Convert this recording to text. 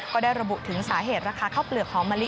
ก็ได้ระบุถึงสาเหตุราคาข้าวเปลือกหอมมะลิ